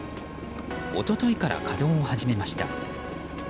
一昨日から稼働を始めました。